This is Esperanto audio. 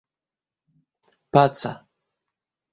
paca